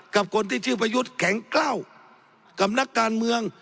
กับคนที่ชื่อประยุทธ์แข็งกล้ากับนักการเมือง